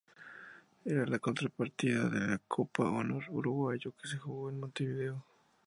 Era la contrapartida de la Copa Honor Uruguayo, que se jugó en Montevideo.